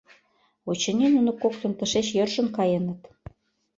Очыни, нуно коктын тышеч йӧршын каеныт.